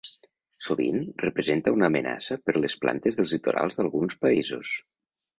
Sovint representa una amenaça per les plantes dels litorals d'alguns països.